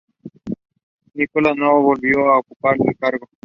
Nicholson no volvió a ocupar el cargo.